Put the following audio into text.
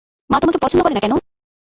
মা তোমাকে পছন্দ করে না কেন?